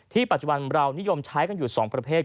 ที่ปัจจุบันนิยมใช้อยู่๒ประเภท